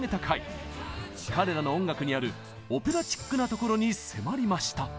彼らの音楽にあるオペラチックなところに迫りました。